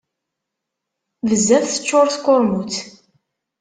Bezzaf teččur tkurmut.